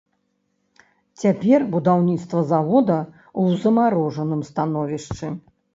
Цяпер будаўніцтва завода ў замарожаным становішчы.